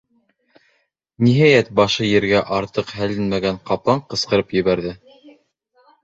Ниһайәт, башы ергә артыҡ һәленмәгән ҡаплан ҡысҡырып ебәрҙе: